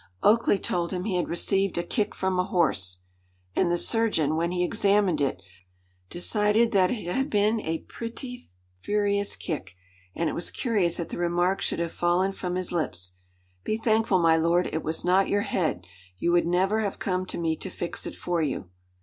Oakleigh told him he had received a kick from a horse. And the surgeon, when he examined it, decided that it had been a pretty furious kick, and it was curious that the remark should have fallen from his lips, "Be thankful, my lord, it was not your head. You would never have come to me to fix it for you."